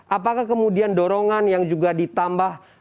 apakah kemudian dorongan yang juga ditambah